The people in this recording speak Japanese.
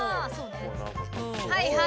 はいはい。